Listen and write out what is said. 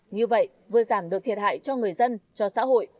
như vậy vừa giảm được thiệt hại cho người dân cho xã hội